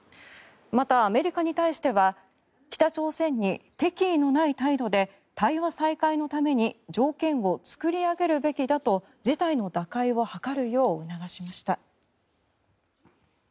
またアメリカに対しては北朝鮮に敵意のない態度で対話再開のために条件を作り上げるべきだと事態の打開を図るよう促しました。